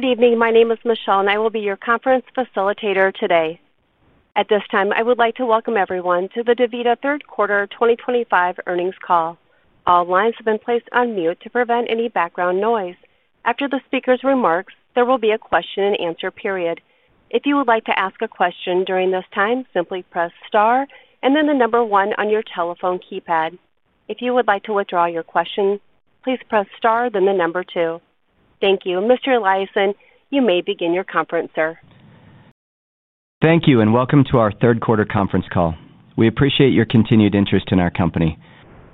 Good evening. My name is Michelle, and I will be your conference facilitator today. At this time, I would like to welcome everyone to the DaVita third quarter 2025 earnings call. All lines have been placed on mute to prevent any background noise. After the speaker's remarks, there will be a question and answer period. If you would like to ask a question during this time, simply press star and then the number one on your telephone keypad. If you would like to withdraw your question, please press star then the number two. Thank you. Mr. Eliason, you may begin your conference, sir. Thank you, and welcome to our third quarter conference call. We appreciate your continued interest in our company.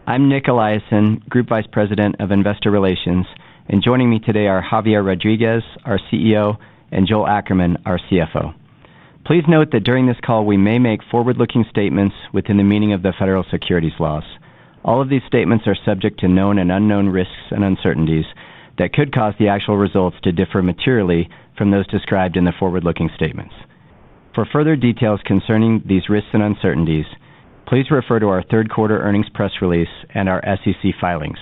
I'm Nic Eliason, Group Vice President of Investor Relations, and joining me today are Javier Rodriguez, our CEO, and Joel Ackerman, our CFO. Please note that during this call, we may make forward-looking statements within the meaning of the federal securities laws. All of these statements are subject to known and unknown risks and uncertainties that could cause the actual results to differ materially from those described in the forward-looking statements. For further details concerning these risks and uncertainties, please refer to our third quarter earnings press release and our SEC filings,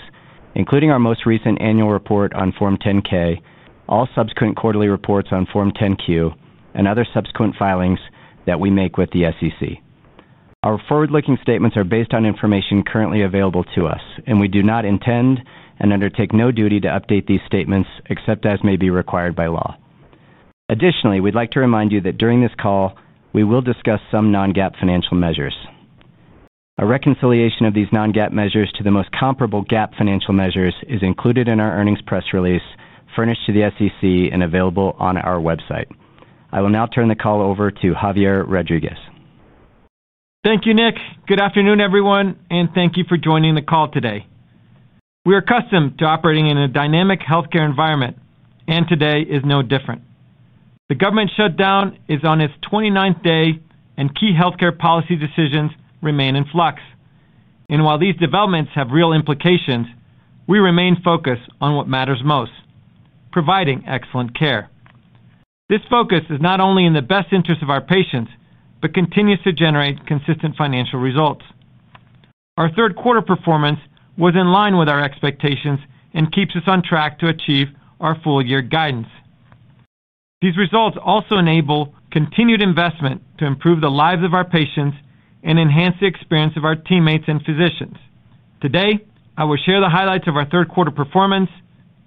including our most recent annual report on Form 10-K, all subsequent quarterly reports on Form 10-Q, and other subsequent filings that we make with the SEC. Our forward-looking statements are based on information currently available to us, and we do not intend and undertake no duty to update these statements except as may be required by law. Additionally, we'd like to remind you that during this call, we will discuss some non-GAAP financial measures. A reconciliation of these non-GAAP measures to the most comparable GAAP financial measures is included in our earnings press release, furnished to the SEC and available on our website. I will now turn the call over to Javier Rodriguez. Thank you, Nic. Good afternoon, everyone, and thank you for joining the call today. We are accustomed to operating in a dynamic healthcare environment, and today is no different. The government shutdown is on its 29th day, and key healthcare policy decisions remain in flux. While these developments have real implications, we remain focused on what matters most: providing excellent care. This focus is not only in the best interests of our patients but continues to generate consistent financial results. Our third quarter performance was in line with our expectations and keeps us on track to achieve our full-year guidance. These results also enable continued investment to improve the lives of our patients and enhance the experience of our teammates and physicians. Today, I will share the highlights of our third quarter performance,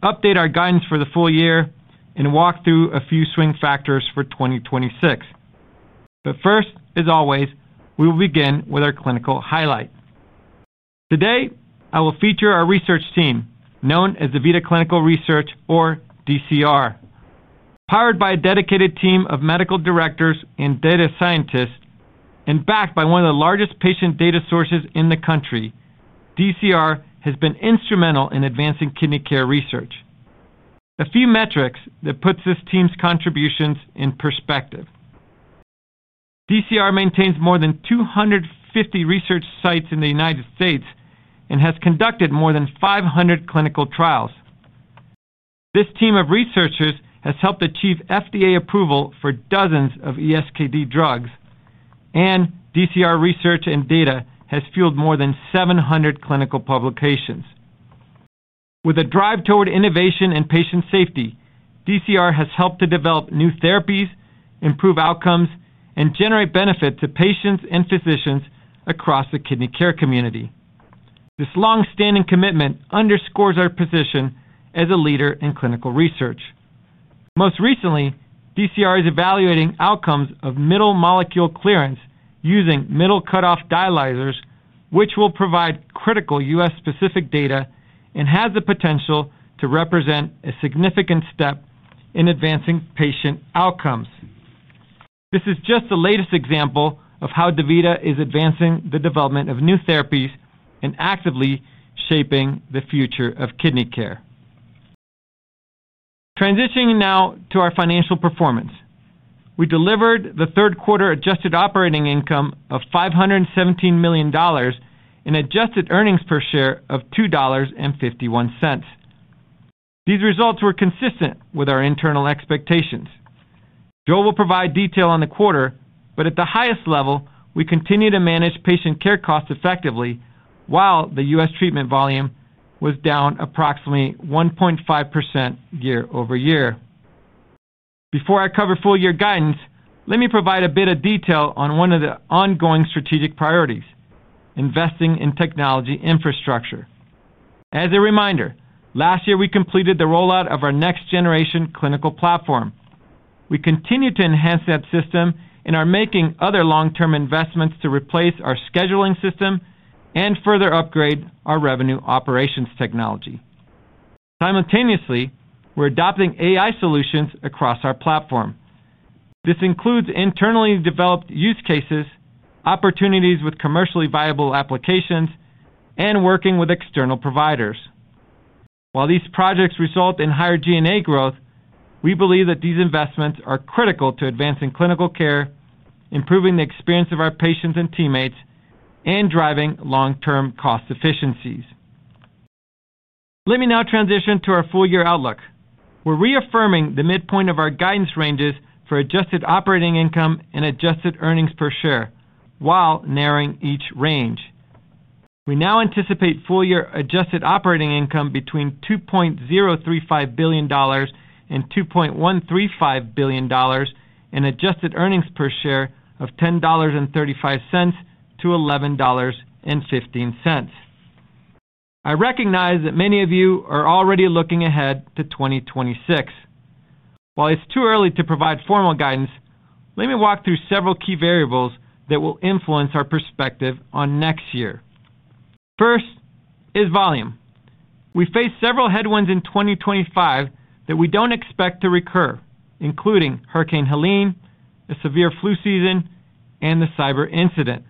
update our guidance for the full year, and walk through a few swing factors for 2026. First, as always, we will begin with our clinical highlights. Today, I will feature our research team, known as DaVita Clinical Research, or DCR. Powered by a dedicated team of medical directors and data scientists, and backed by one of the largest patient data sources in the country, DCR has been instrumental in advancing kidney care research. A few metrics that put this team's contributions in perspective. DCR maintains more than 250 research sites in the United States and has conducted more than 500 clinical trials. This team of researchers has helped achieve FDA approval for dozens of ESKD drugs, and DCR research and data have fueled more than 700 clinical publications. With a drive toward innovation and patient safety, DCR has helped to develop new therapies, improve outcomes, and generate benefits to patients and physicians across the kidney care community. This longstanding commitment underscores our position as a leader in clinical research. Most recently, DCR is evaluating outcomes of middle molecule clearance using middle cutoff dialyzers, which will provide critical U.S.-specific data and has the potential to represent a significant step in advancing patient outcomes. This is just the latest example of how DaVita is advancing the development of new therapies and actively shaping the future of kidney care. Transitioning now to our financial performance, we delivered the third quarter adjusted operating income of $517 million in adjusted earnings per share of $2.51. These results were consistent with our internal expectations. Joel will provide detail on the quarter, but at the highest level, we continue to manage patient care costs effectively while the U.S. treatment volume was down approximately 1.5% year-over-year. Before I cover full-year guidance, let me provide a bit of detail on one of the ongoing strategic priorities: investing in technology infrastructure. As a reminder, last year we completed the rollout of our next-generation clinical platform. We continue to enhance that system and are making other long-term investments to replace our scheduling system and further upgrade our revenue operations technology. Simultaneously, we're adopting AI solutions across our platform. This includes internally developed use cases, opportunities with commercially viable applications, and working with external providers. While these projects result in higher G&A growth, we believe that these investments are critical to advancing clinical care, improving the experience of our patients and teammates, and driving long-term cost efficiencies. Let me now transition to our full-year outlook. We're reaffirming the midpoint of our guidance ranges for adjusted operating income and adjusted earnings per share while narrowing each range. We now anticipate full-year adjusted operating income between $2.035 billion and $2.135 billion and adjusted earnings per share of $10.35-$11.15. I recognize that many of you are already looking ahead to 2026. While it's too early to provide formal guidance, let me walk through several key variables that will influence our perspective on next year. First is volume. We face several headwinds in 2025 that we don't expect to recur, including Hurricane Helene, the severe flu season, and the cyber incident.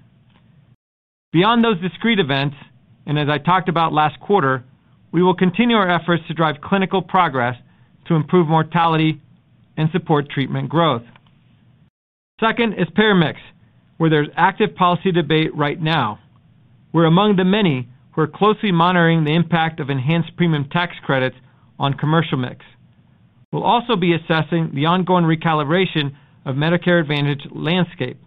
Beyond those discrete events, and as I talked about last quarter, we will continue our efforts to drive clinical progress to improve mortality and support treatment growth. Second is payer mix, where there's active policy debate right now. We're among the many who are closely monitoring the impact of enhanced premium tax credits on commercial mix. We'll also be assessing the ongoing recalibration of the Medicare Advantage landscape,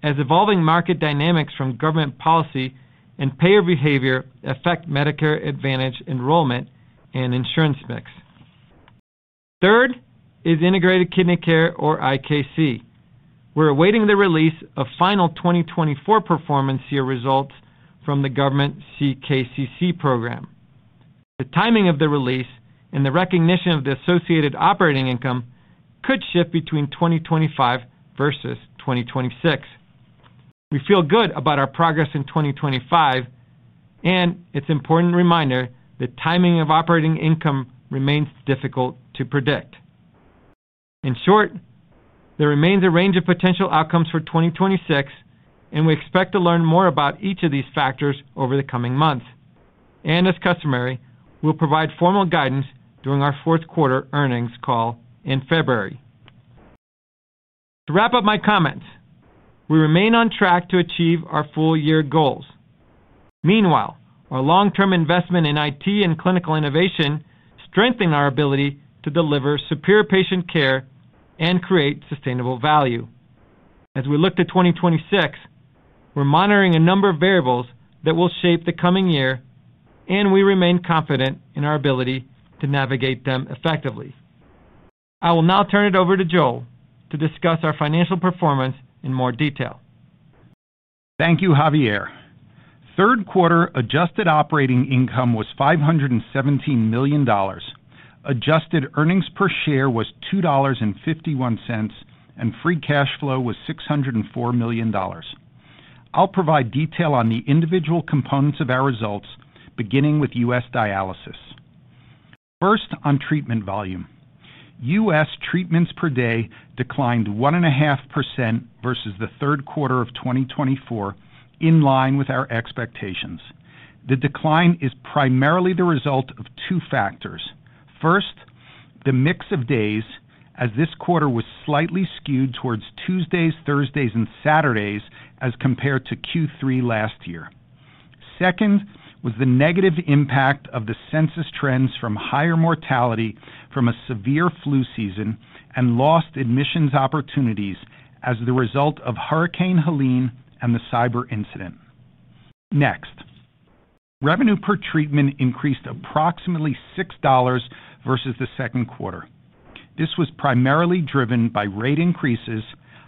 as evolving market dynamics from government policy and payer behavior affect Medicare Advantage enrollment and insurance mix. Third is Integrated Kidney Care, or IKC. We're awaiting the release of final 2024 performance year results from the government CKCC program. The timing of the release and the recognition of the associated operating income could shift between 2025 versus 2026. We feel good about our progress in 2025, and it's an important reminder that the timing of operating income remains difficult to predict. In short, there remains a range of potential outcomes for 2026, and we expect to learn more about each of these factors over the coming months. As customary, we'll provide formal guidance during our fourth quarter earnings call in February. To wrap up my comments, we remain on track to achieve our full-year goals. Meanwhile, our long-term investment in IT and clinical innovation strengthens our ability to deliver superior patient care and create sustainable value. As we look to 2026, we're monitoring a number of variables that will shape the coming year, and we remain confident in our ability to navigate them effectively. I will now turn it over to Joel to discuss our financial performance in more detail. Thank you, Javier. Third quarter adjusted operating income was $517 million. Adjusted earnings per share was $2.51, and free cash flow was $604 million. I'll provide detail on the individual components of our results, beginning with U.S. dialysis. First, on treatment volume, U.S. treatments per day declined 1.5% versus the third quarter of 2024, in line with our expectations. The decline is primarily the result of two factors. First, the mix of days, as this quarter was slightly skewed towards Tuesdays, Thursdays, and Saturdays as compared to Q3 last year. Second was the negative impact of the census trends from higher mortality from a severe flu season and lost admissions opportunities as the result of Hurricane Helene and the cyber incident. Next, revenue per treatment increased approximately $6 versus the second quarter. This was primarily driven by rate increases,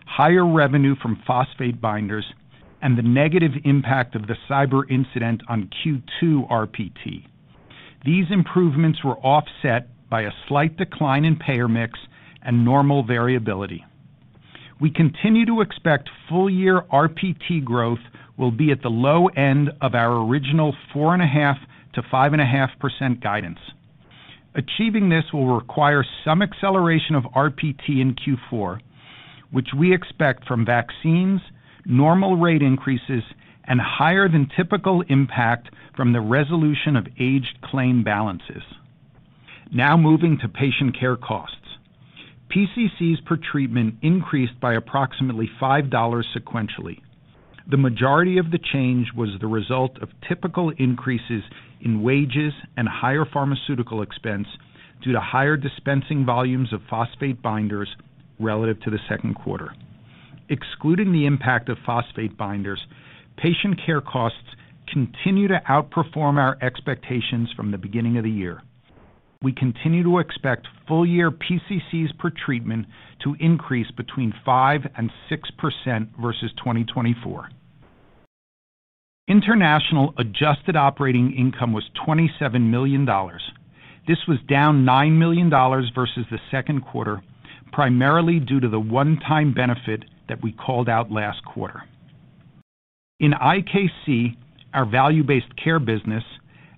higher revenue from phosphate binders, and the negative impact of the cyber incident on Q2 RPT. These improvements were offset by a slight decline in payer mix and normal variability. We continue to expect full-year RPT growth will be at the low end of our original 4.5%-5.5% guidance. Achieving this will require some acceleration of RPT in Q4, which we expect from vaccines, normal rate increases, and higher than typical impact from the resolution of aged claim balances. Now moving to patient care costs, PCCs per treatment increased by approximately $5 sequentially. The majority of the change was the result of typical increases in wages and higher pharmaceutical expense due to higher dispensing volumes of phosphate binders relative to the second quarter. Excluding the impact of phosphate binders, patient care costs continue to outperform our expectations from the beginning of the year. We continue to expect full-year PCCs per treatment to increase between 5% and 6% versus 2024. International adjusted operating income was $27 million. This was down $9 million versus the second quarter, primarily due to the one-time benefit that we called out last quarter. In IKC, our value-based care business,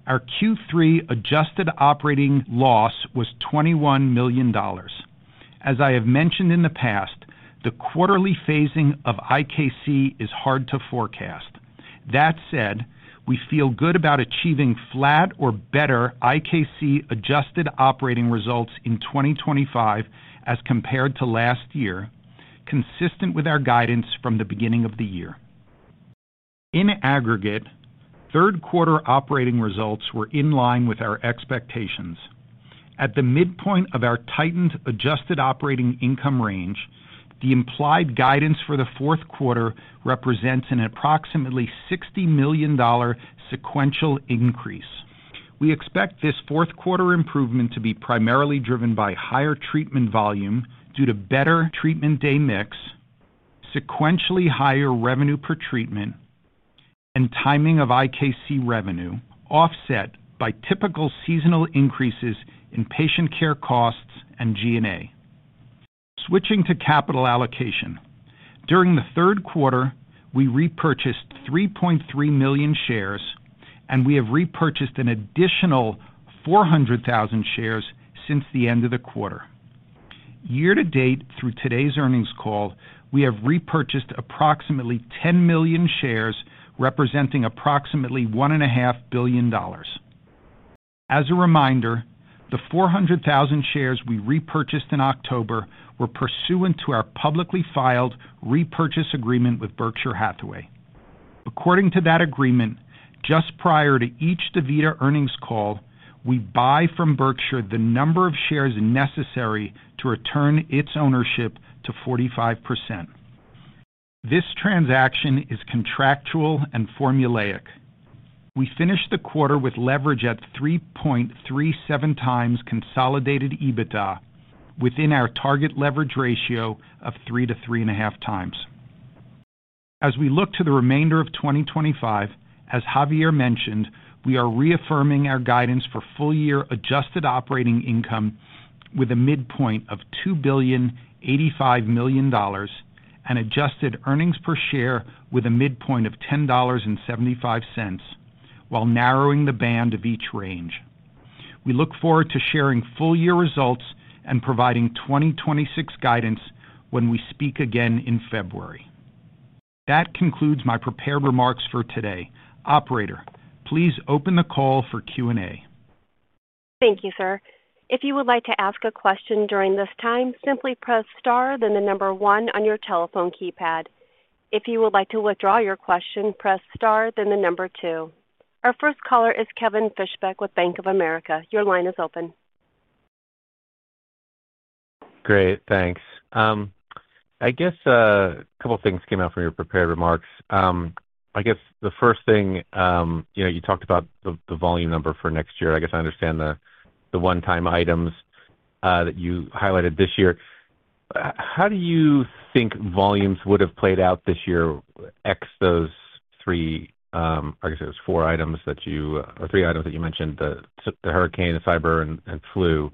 our Q3 adjusted operating loss was $21 million. As I have mentioned in the past, the quarterly phasing of IKC is hard to forecast. That said, we feel good about achieving flat or better IKC adjusted operating results in 2025 as compared to last year, consistent with our guidance from the beginning of the year. In aggregate, third quarter operating results were in line with our expectations. At the midpoint of our tightened adjusted operating income range, the implied guidance for the fourth quarter represents an approximately $60 million sequential increase. We expect this fourth quarter improvement to be primarily driven by higher treatment volume due to better treatment day mix, sequentially higher revenue per treatment, and timing of IKC revenue offset by typical seasonal increases in patient care costs and G&A. Switching to capital allocation, during the third quarter, we repurchased 3.3 million shares, and we have repurchased an additional 400,000 shares since the end of the quarter. Year-to-date, through today's earnings call, we have repurchased approximately 10 million shares, representing approximately $1.5 billion. As a reminder, the 400,000 shares we repurchased in October were pursuant to our publicly filed repurchase agreement with Berkshire Hathaway. According to that agreement, just prior to each DaVita earnings call, we buy from Berkshire the number of shares necessary to return its ownership to 45%. This transaction is contractual and formulaic. We finished the quarter with leverage at 3.37x consolidated EBITDA within our target leverage ratio of 3x-3.5x. As we look to the remainder of 2025, as Javier mentioned, we are reaffirming our guidance for full-year adjusted operating income with a midpoint of $2.85 billion and adjusted earnings per share with a midpoint of $10.75, while narrowing the band of each range. We look forward to sharing full-year results and providing 2026 guidance when we speak again in February. That concludes my prepared remarks for today. Operator, please open the call for Q&A. Thank you, sir. If you would like to ask a question during this time, simply press star, then the number one on your telephone keypad. If you would like to withdraw your question, press star, then the number two. Our first caller is Kevin Fishbeck with Bank of America. Your line is open. Great, thanks. I guess a couple of things came out from your prepared remarks. The first thing, you talked about the volume number for next year. I understand the one-time items that you highlighted this year. How do you think volumes would have played out this year excluding those three, I guess it was four items that you or three items that you mentioned, the hurricane, the cyber, and flu?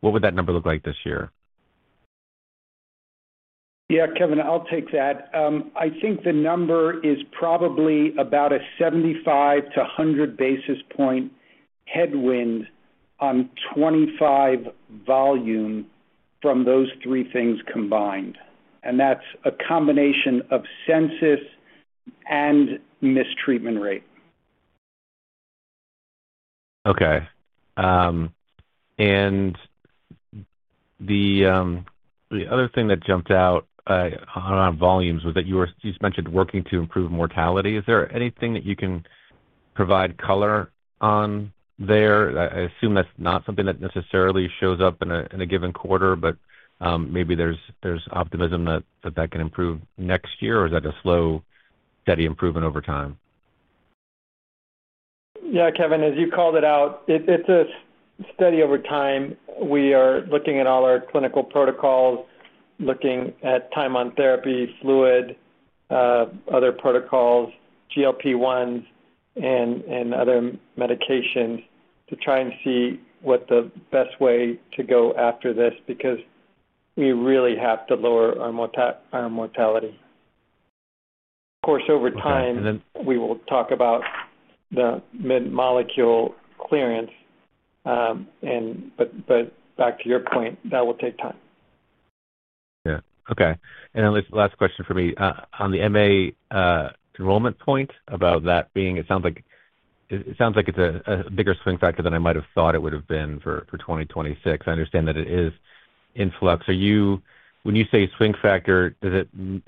What would that number look like this year? Yeah, Kevin, I'll take that. I think the number is probably about a 75 basis points-100 basis point headwind on 2025 volume from those three things combined. That's a combination of census and mistreatment rate. Okay. The other thing that jumped out on volumes was that you just mentioned working to improve mortality. Is there anything that you can provide color on there? I assume that's not something that necessarily shows up in a given quarter, but maybe there's optimism that that can improve next year, or is that a slow, steady improvement over time? Yeah, Kevin, as you called it out, it's a steady over time. We are looking at all our clinical protocols, looking at time on therapy, fluid, other protocols, GLP-1s, and other medications to try and see what the best way to go after this is because we really have to lower our mortality. Of course, over time, we will talk about the middle molecule clearance. That will take time. Okay. This last question for me, on the MA enrollment point about that being, it sounds like it's a bigger swing factor than I might have thought it would have been for 2026. I understand that it is in flux. Are you, when you say swing factor,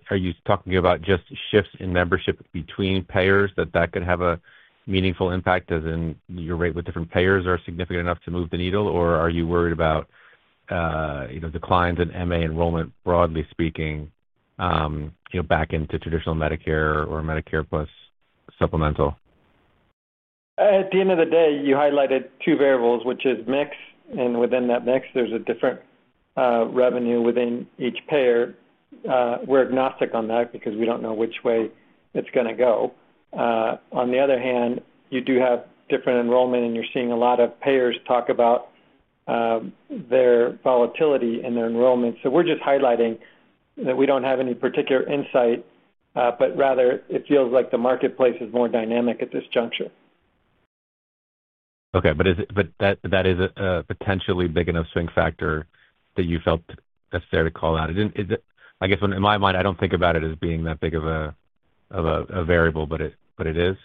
are you talking about just shifts in membership between payers that could have a meaningful impact, as in your rate with different payers are significant enough to move the needle, or are you worried about declines in MA enrollment, broadly speaking, back into traditional Medicare or Medicare Plus supplemental? At the end of the day, you highlighted two variables, which is mix, and within that mix, there's a different revenue within each payer. We're agnostic on that because we don't know which way it's going to go. On the other hand, you do have different enrollment, and you're seeing a lot of payers talk about their volatility in their enrollment. We're just highlighting that we don't have any particular insight, but rather, it feels like the marketplace is more dynamic at this juncture. Okay, that is a potentially big enough swing factor that you felt that's fair to call out. I guess in my mind, I don't think about it as being that big of a variable, but it is.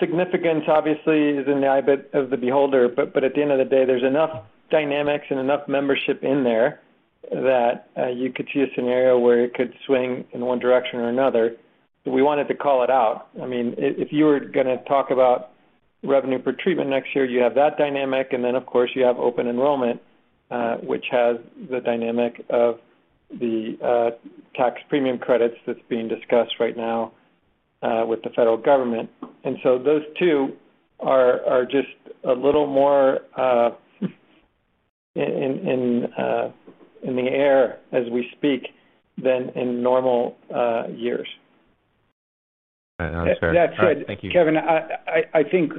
Significance, obviously, is an eyewitness of the beholder, but at the end of the day, there's enough dynamics and enough membership in there that you could see a scenario where it could swing in one direction or another. We wanted to call it out. If you were going to talk about revenue per treatment next year, you have that dynamic, and then, of course, you have open enrollment, which has the dynamic of the premium tax credits that's being discussed right now with the federal government. Those two are just a little more in the air as we speak than in normal years. All right, that was fair. Thank you. That said, Kevin, I think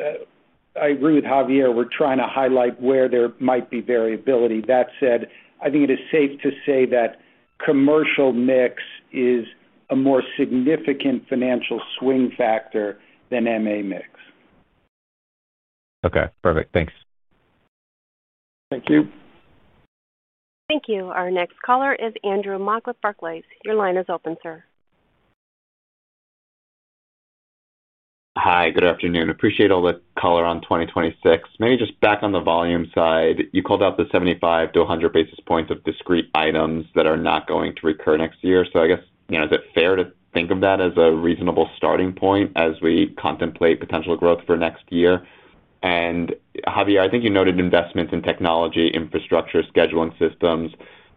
I agree with Javier. We're trying to highlight where there might be variability. That said, I think it is safe to say that commercial mix is a more significant financial swing factor than MA mix. Okay. Perfect. Thanks. Thank you. Thank you. Our next caller is Andrew Mok with Barclays. Your line is open, sir. Hi. Good afternoon. Appreciate all the color on 2026. Maybe just back on the volume side, you called out the 75 basis points-100 basis points of discrete items that are not going to recur next year. I guess, you know, is it fair to think of that as a reasonable starting point as we contemplate potential growth for next year? Javier, I think you noted investments in technology, infrastructure, scheduling systems.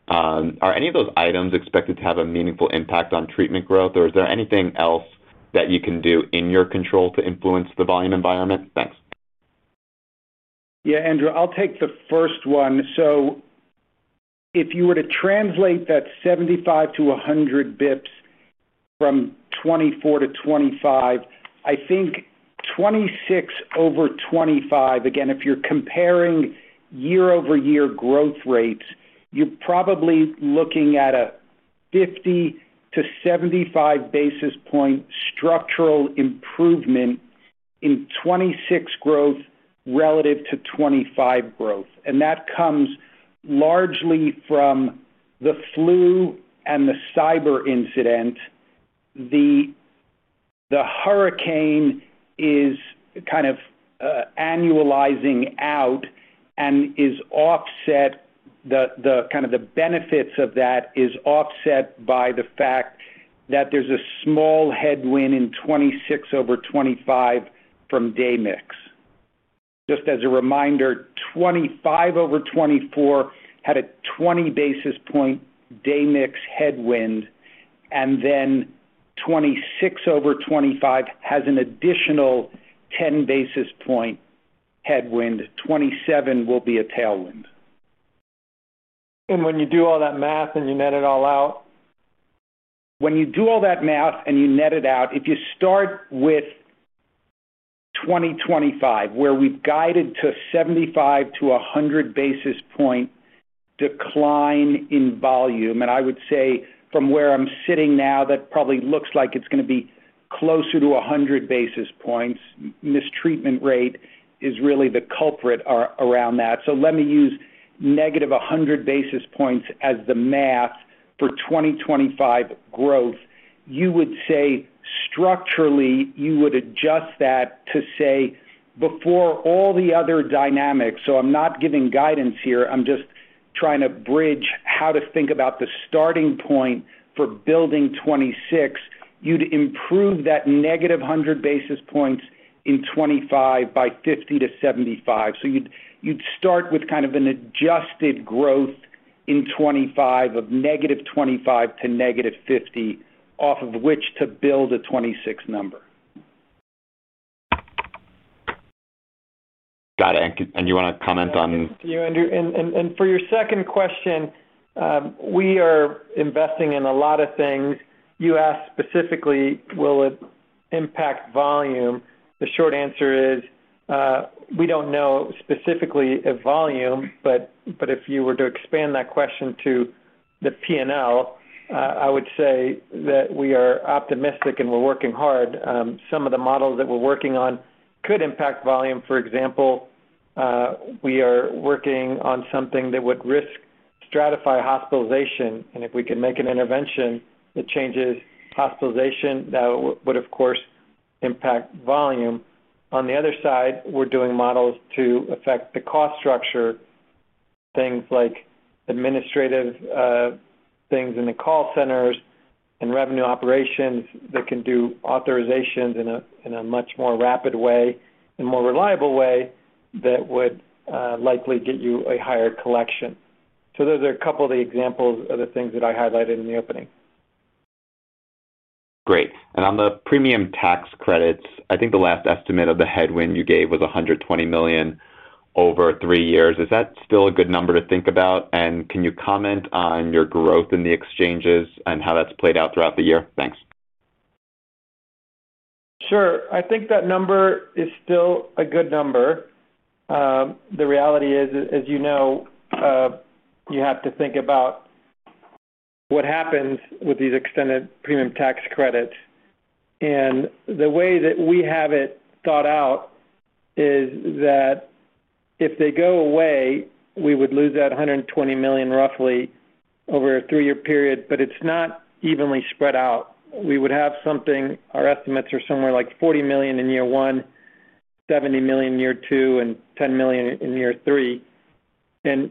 Are any of those items expected to have a meaningful impact on treatment growth, or is there anything else that you can do in your control to influence the volume environment? Thanks. Yeah, Andrew. I'll take the first one. If you were to translate that 75 bps-100 bps from 2024 to 2025, I think 2026 over 2025, again, if you're comparing year-over-year growth rates, you're probably looking at a 50 basis points-75 basis points structural improvement in 2026 growth relative to 2025 growth. That comes largely from the flu and the cyber incident. The hurricane is kind of annualizing out and the benefits of that are offset by the fact that there's a small headwind in 2026 over 2025 from day mix. Just as a reminder, 2025 over 2024 had a 20 basis points day mix headwind, and 2026 over 2025 has an additional 10 basis points headwind. 2027 will be a tailwind. When you do all that math and you net it all out? When you do all that math and you net it out, if you start with 2025, where we've guided to 75 basis points-100 basis point decline in volume, I would say from where I'm sitting now, that probably looks like it's going to be closer to 100 basis points. Mistreatment rate is really the culprit around that. Let me use -100 basis points as the math for 2025 growth. You would say structurally, you would adjust that to say before all the other dynamics. I'm not giving guidance here. I'm just trying to bridge how to think about the starting point for building 2026. You'd improve that -100 basis points in 2025 by 50 basis points-75 basis points. You'd start with kind of an adjusted growth in 2025 of -25 to -50, off of which to build a 2026 number. Got it. Do you want to comment on that? Thank you, Andrew. For your second question, we are investing in a lot of things. You asked specifically, will it impact volume? The short answer is we don't know specifically a volume, but if you were to expand that question to the P&L, I would say that we are optimistic and we're working hard. Some of the models that we're working on could impact volume. For example, we are working on something that would risk stratify hospitalization. If we can make an intervention that changes hospitalization, that would, of course, impact volume. On the other side, we're doing models to affect the cost structure, things like administrative things in the call centers and revenue operations that can do authorizations in a much more rapid way and more reliable way that would likely get you a higher collection. Those are a couple of the examples of the things that I highlighted in the opening. Great. On the premium tax credits, I think the last estimate of the headwind you gave was $120 million over three years. Is that still a good number to think about? Can you comment on your growth in the exchanges and how that's played out throughout the year? Thanks. Sure. I think that number is still a good number. The reality is, as you know, you have to think about what happens with these extended premium tax credits. The way that we have it thought out is that if they go away, we would lose that $120 million roughly over a three-year period, but it's not evenly spread out. We would have something, our estimates are somewhere like $40 million in year one, $70 million in year two, and $10 million in year three. The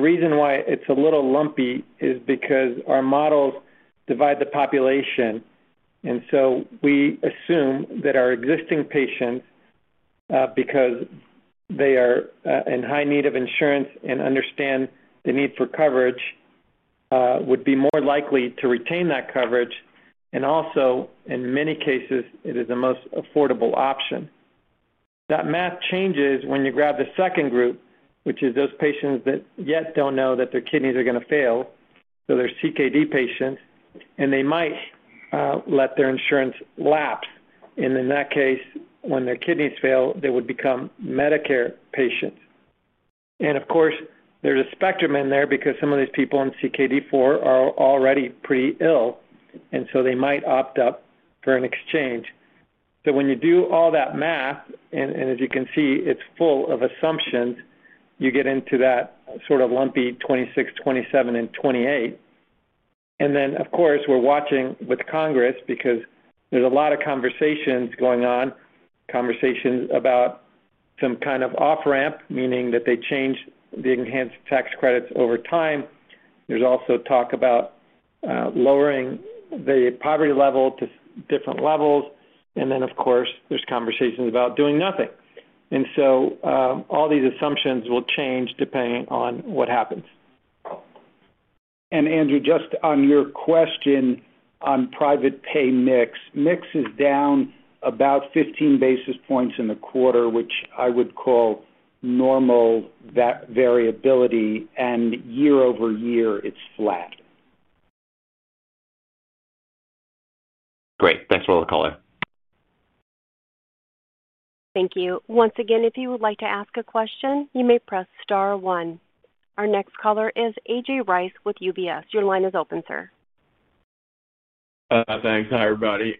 reason why it's a little lumpy is because our models divide the population. We assume that our existing patients, because they are in high need of insurance and understand the need for coverage, would be more likely to retain that coverage. Also, in many cases, it is the most affordable option. That math changes when you grab the second group, which is those patients that yet don't know that their kidneys are going to fail. They're CKD patients, and they might let their insurance lapse. In that case, when their kidneys fail, they would become Medicare patients. Of course, there's a spectrum in there because some of these people in CKD 4 are already pretty ill, and they might opt up for an exchange. When you do all that math, and as you can see, it's full of assumptions, you get into that sort of lumpy 2026, 2027, and 2028. Of course, we're watching with Congress because there's a lot of conversations going on, conversations about some kind of off-ramp, meaning that they change the enhanced tax credits over time. There's also talk about lowering the poverty level to different levels. Of course, there's conversations about doing nothing. All these assumptions will change depending on what happens. Andrew, just on your question on private pay mix, mix is down about 15 basis points in the quarter, which I would call normal variability, and year-over-year, it's flat. Great. Thanks for all the color. Thank you. Once again, if you would like to ask a question, you may press star one. Our next caller is A.J. Rice with UBS. Your line is open, sir. Thanks. Hi, everybody.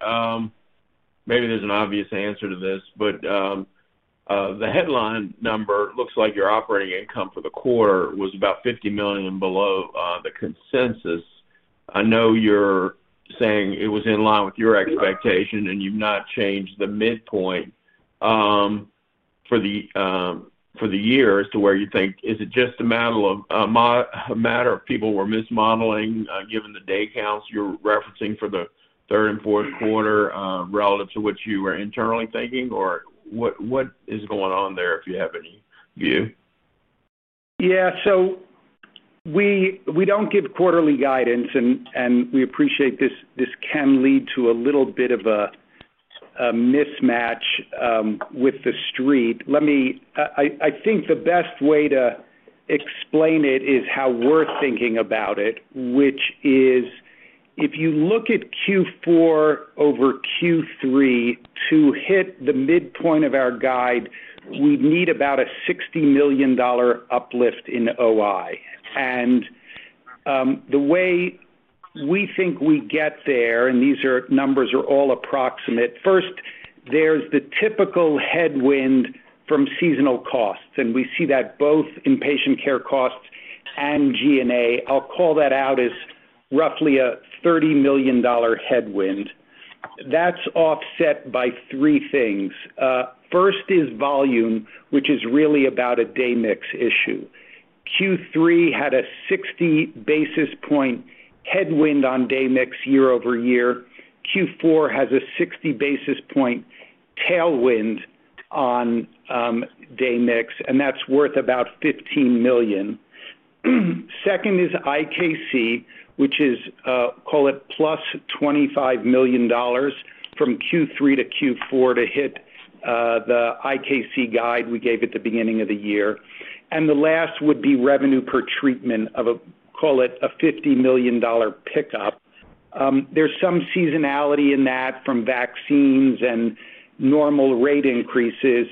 Maybe there's an obvious answer to this, but the headline number looks like your operating income for the quarter was about $50 million below the consensus. I know you're saying it was in line with your expectation, and you've not changed the midpoint for the year as to where you think. Is it just a matter of people were mismodeling given the day counts you're referencing for the third and fourth quarter relative to what you were internally thinking, or what is going on there if you have any view? Yeah. We don't give quarterly guidance, and we appreciate this can lead to a little bit of a mismatch with the street. I think the best way to explain it is how we're thinking about it, which is if you look at Q4 over Q3, to hit the midpoint of our guide, we'd need about a $60 million uplift in OI. The way we think we get there, and these numbers are all approximate. First, there's the typical headwind from seasonal costs, and we see that both in patient care costs and G&A. I'll call that out as roughly a $30 million headwind. That's offset by three things. First is volume, which is really about a day mix issue. Q3 had a 60 basis points headwind on day mix year-over-year. Q4 has a 60 basis points tailwind on day mix, and that's worth about $15 million. Second is IKC, which is, call it, +$25 million from Q3 to Q4 to hit the IKC guide we gave at the beginning of the year. The last would be revenue per treatment of, call it, a $50 million pickup. There's some seasonality in that from vaccines and normal rate increases.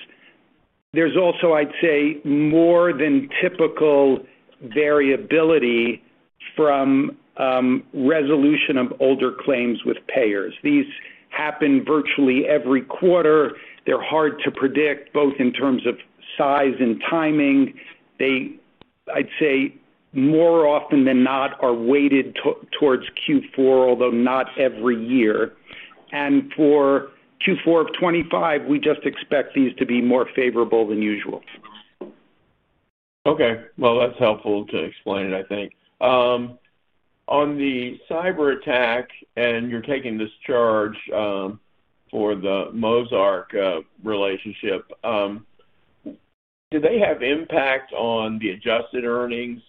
There's also, I'd say, more than typical variability from resolution of older claims with payers. These happen virtually every quarter. They're hard to predict, both in terms of size and timing. They, I'd say, more often than not are weighted towards Q4, although not every year. For Q4 of 2025, we just expect these to be more favorable than usual. Okay. That's helpful to explain it, I think. On the cyber attack, and you're taking this charge for the Mozarc relationship, do they have impact on the adjusted earnings?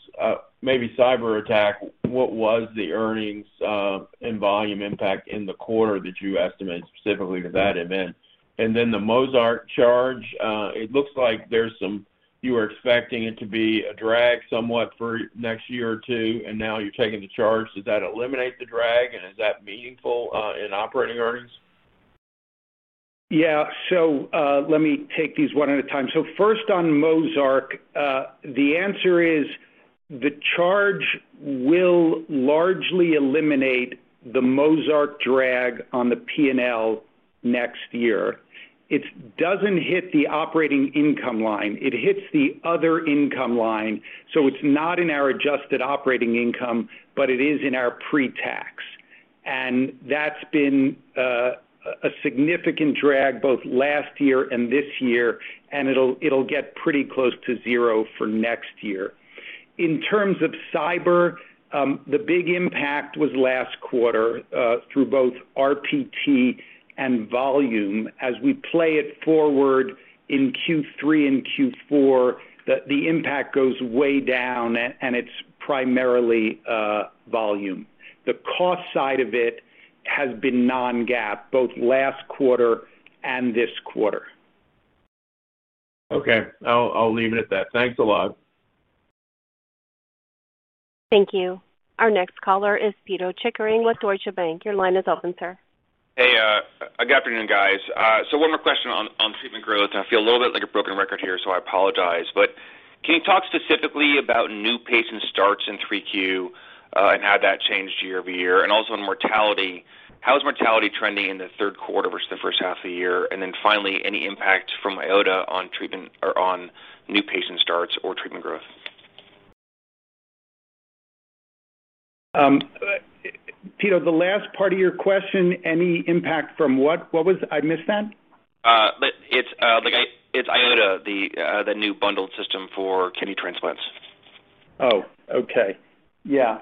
Maybe cyber attack, what was the earnings and volume impact in the quarter that you estimated specifically to that event? The Mozarc charge, it looks like there's some, you were expecting it to be a drag somewhat for next year or two, and now you're taking the charge. Does that eliminate the drag, and is that meaningful in operating earnings? Let me take these one at a time. First on Mozarc, the answer is the charge will largely eliminate the Mozarc drag on the P&L next year. It doesn't hit the operating income line. It hits the other income line. It's not in our adjusted operating income, but it is in our pre-tax. That's been a significant drag both last year and this year, and it'll get pretty close to zero for next year. In terms of cyber, the big impact was last quarter through both RPT and volume. As we play it forward in Q3 and Q4, the impact goes way down, and it's primarily volume. The cost side of it has been non-GAAP both last quarter and this quarter. Okay, I'll leave it at that. Thanks a lot. Thank you. Our next caller is Pito Chickering with Deutsche Bank. Your line is open, sir. Good afternoon, guys. One more question on treatment growth. I feel a little bit like a broken record here, I apologize. Can you talk specifically about new patient starts in 3Q and how that changed year-over year? Also, in mortality, how is mortality trending in the third quarter versus the first half of the year? Finally, any impact from IOTA on treatment or on new patient starts or treatment growth? Pito, the last part of your question, any impact from what? What was I missing there? It's IOTA, the new bundled system for kidney transplants. Oh, okay. Yeah.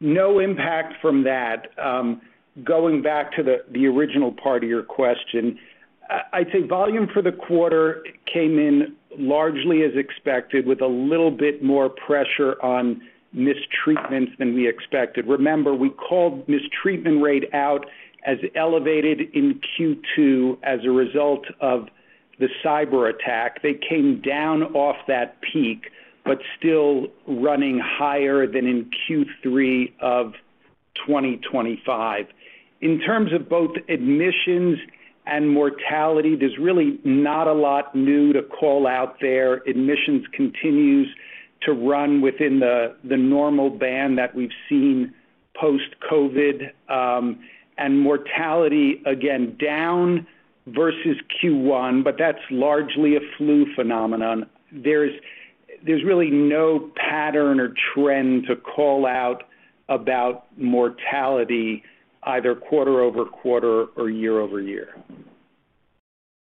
No impact from that. Going back to the original part of your question, I'd say volume for the quarter came in largely as expected, with a little bit more pressure on mistreatments than we expected. Remember, we called mistreatment rate out as elevated in Q2 as a result of the cyber attack. They came down off that peak, but still running higher than in Q3 of 2025. In terms of both admissions and mortality, there's really not a lot new to call out there. Admissions continues to run within the normal band that we've seen post-COVID, and mortality, again, down versus Q1, but that's largely a flu phenomenon. There's really no pattern or trend to call out about mortality either quarter over quarter or year-over-year.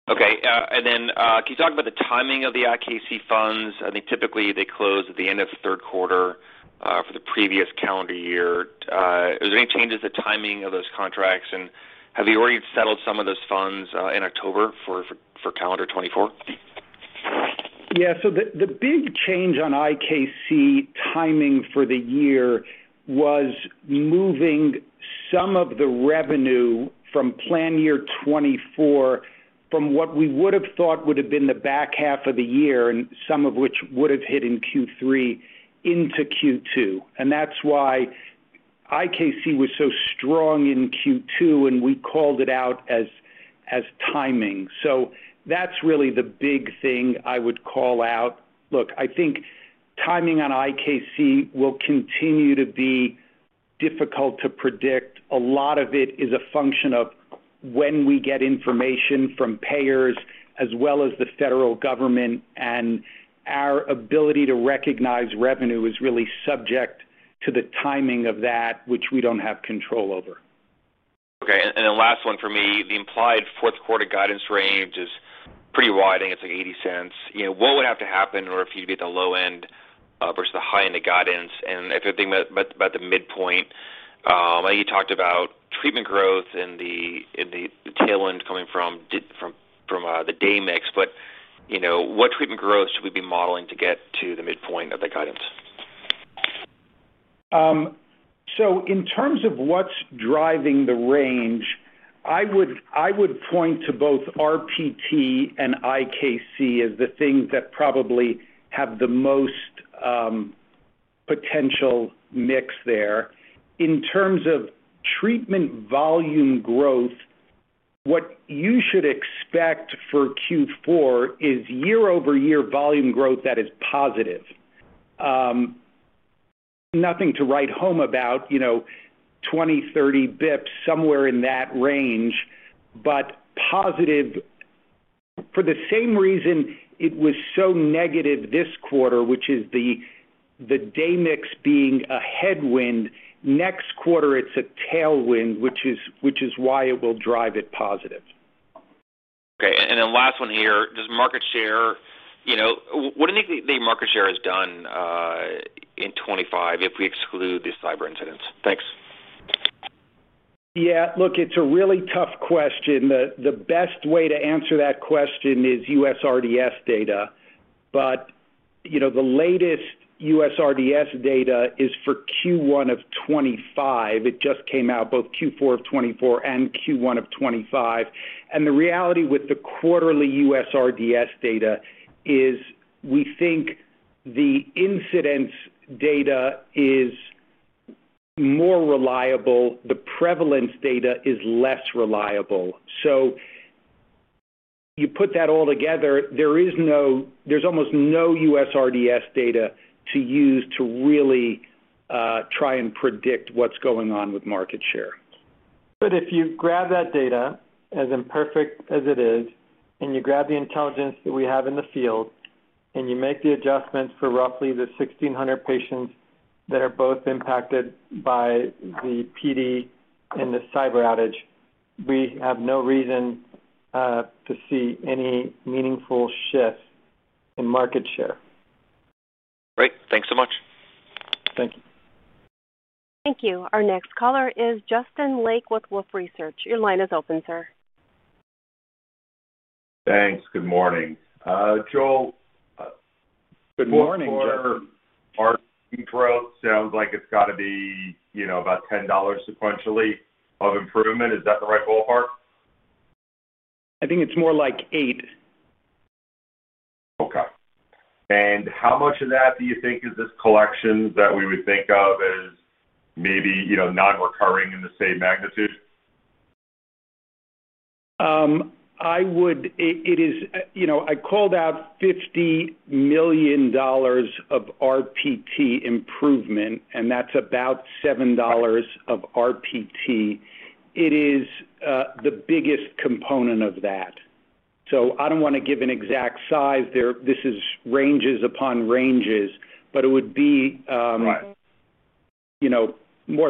Okay. Can you talk about the timing of the IKC funds? I think typically they close at the end of the third quarter for the previous calendar year. Is there any changes to the timing of those contracts? Have you already settled some of those funds in October for calendar 2024? Yeah. The big change on IKC timing for the year was moving some of the revenue from plan year 2024 from what we would have thought would have been the back half of the year, and some of which would have hit in Q3 into Q2. That's why IKC was so strong in Q2, and we called it out as timing. That's really the big thing I would call out. Look, I think timing on IKC will continue to be difficult to predict. A lot of it is a function of when we get information from payers as well as the federal government, and our ability to recognize revenue is really subject to the timing of that, which we don't have control over. Okay. The implied fourth quarter guidance range is pretty wide. I think it's like $0.80. What would have to happen in order for you to be at the low end versus the high end of guidance? If you're thinking about the midpoint, I think you talked about treatment growth and the tailwind coming from the day mix. What treatment growth should we be modeling to get to the midpoint of the guidance? In terms of what's driving the range, I would point to both RPT and IKC as the things that probably have the most potential mix there. In terms of treatment volume growth, what you should expect for Q4 is year-over-year volume growth that is positive. Nothing to write home about, you know, 20, 30 bps, somewhere in that range, but positive for the same reason it was so negative this quarter, which is the day mix being a headwind. Next quarter, it's a tailwind, which is why it will drive it positive. Okay. Last one here, does market share, you know, what do you think the market share has done in 2025 if we exclude the cyber incidents? Thanks. Yeah. Look, it's a really tough question. The best way to answer that question is USRDS data. You know the latest USRDS data is for Q1 of 2025. It just came out, both Q4 of 2024 and Q1 of 2025. The reality with the quarterly USRDS data is we think the incidents data is more reliable. The prevalence data is less reliable. You put that all together, there's almost no U.S. RDS data to use to really try and predict what's going on with market share. If you grab that data as imperfect as it is, and you grab the intelligence that we have in the field, and you make the adjustments for roughly the 1,600 patients that are both impacted by the PD and the cyber outage, we have no reason to see any meaningful shifts in market share. Great, thanks so much. Thank you. Thank you. Our next caller is Justin Lake with Wolfe Research. Your line is open, sir. Thanks. Good morning. Joel, good morning. Our growth sounds like it's got to be, you know, about $10 sequentially of improvement. Is that the right ballpark? I think it's more like $8. Okay. How much of that do you think is this collection that we would think of as maybe, you know, non-recurring in the same magnitude? I would. I called out $50 million of RPT improvement, and that's about $7 of RPT. It is the biggest component of that. I don't want to give an exact size there. This is ranges upon ranges, but it would be more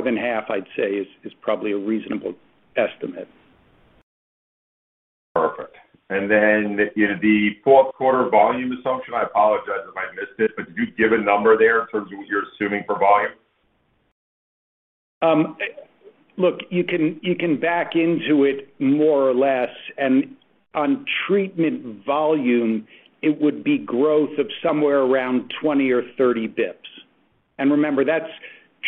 than half, I'd say, is probably a reasonable estimate. Perfect. You know, the fourth quarter volume assumption, I apologize if I missed it, but did you give a number there in terms of what you're assuming for volume? Look, you can back into it more or less. On treatment volume, it would be growth of somewhere around 20 or 30 bps. Remember, that's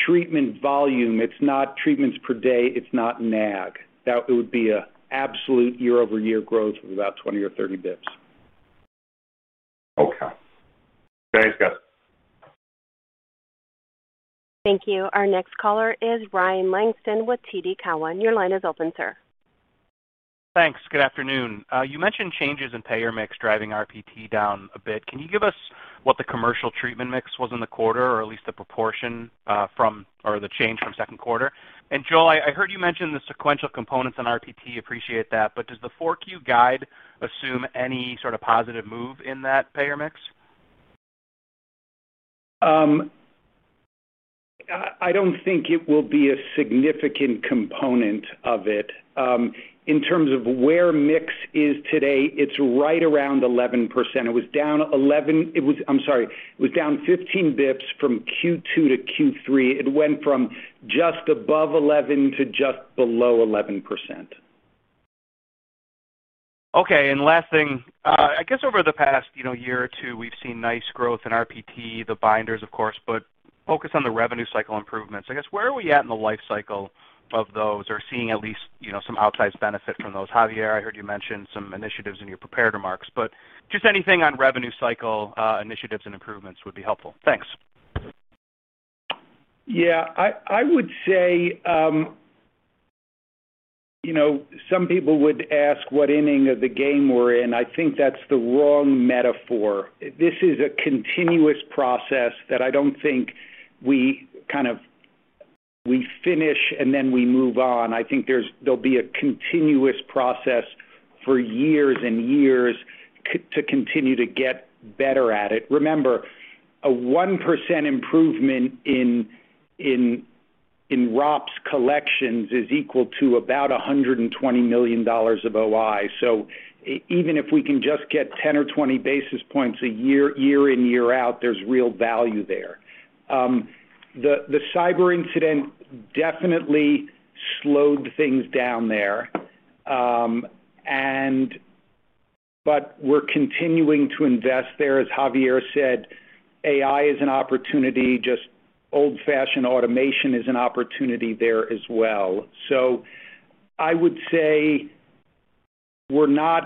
treatment volume. It's not treatments per day. It's not NAG. It would be an absolute year-over-year growth of about 20 or 30 bps. Okay, thanks, guys. Thank you. Our next caller is Ryan Langston with TD Cowen. Your line is open, sir. Thanks. Good afternoon. You mentioned changes in payer mix driving RPT down a bit. Can you give us what the commercial treatment mix was in the quarter, or at least the proportion from or the change from second quarter? Joel, I heard you mention the sequential components in RPT. Appreciate that. Does the 4Q guide assume any sort of positive move in that payer mix? I don't think it will be a significant component of it. In terms of where mix is today, it's right around 11%. It was down 15 bps from Q2 to Q3. It went from just above 11% to just below 11%. Okay. Last thing, I guess over the past year or two, we've seen nice growth in RPT, the binders, of course, but focus on the revenue cycle improvements. I guess where are we at in the lifecycle of those or seeing at least some outsized benefit from those? Javier, I heard you mention some initiatives in your prepared remarks, but just anything on revenue cycle initiatives and improvements would be helpful. Thanks. Yeah. I would say, you know, some people would ask what inning of the game we're in. I think that's the wrong metaphor. This is a continuous process that I don't think we finish and then we move on. I think there'll be a continuous process for years and years to continue to get better at it. Remember, a 1% improvement in ROPS collections is equal to about $120 million of OI. Even if we can just get 10 or 20 basis points a year, year in, year out, there's real value there. The cyber incident definitely slowed things down there. We're continuing to invest there. As Javier said, AI is an opportunity. Just old-fashioned automation is an opportunity there as well. I would say there's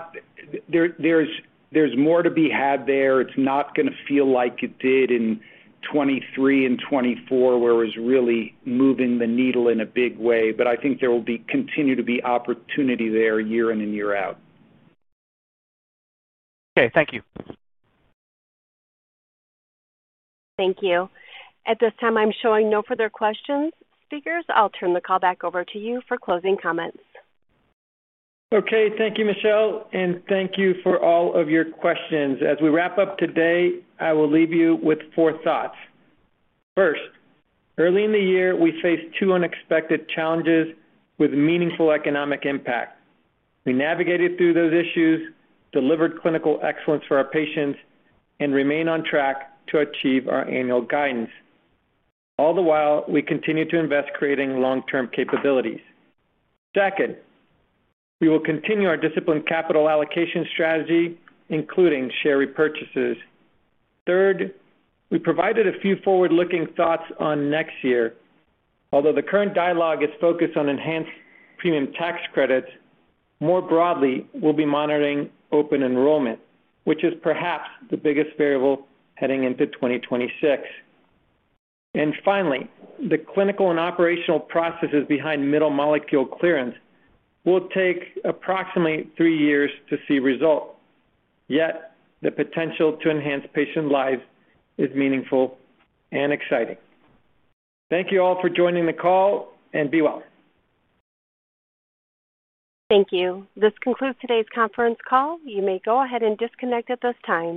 more to be had there. It's not going to feel like it did in 2023 and 2024, where it was really moving the needle in a big way. I think there will continue to be opportunity there year in and year out. Okay, thank you. Thank you. At this time, I'm showing no further questions. Speakers, I'll turn the call back over to you for closing comments. Okay. Thank you, Michelle, and thank you for all of your questions. As we wrap up today, I will leave you with four thoughts. First, early in the year, we faced two unexpected challenges with meaningful economic impact. We navigated through those issues, delivered clinical excellence for our patients, and remain on track to achieve our annual guidance. All the while, we continue to invest, creating long-term capabilities. Second, we will continue our disciplined capital allocation strategy, including share repurchases. Third, we provided a few forward-looking thoughts on next year. Although the current dialogue is focused on enhanced premium tax credits, more broadly, we'll be monitoring open enrollment, which is perhaps the biggest variable heading into 2026. Finally, the clinical and operational processes behind middle molecule clearance will take approximately three years to see results. Yet, the potential to enhance patient lives is meaningful and exciting. Thank you all for joining the call, and be well. Thank you. This concludes today's conference call. You may go ahead and disconnect at this time.